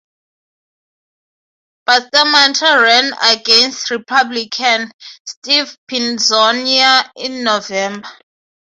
Bustamante ran against Republican Steve Poizner in November.